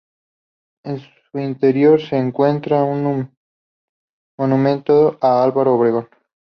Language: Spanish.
En su interior se encuentra un monumento a Álvaro Obregón.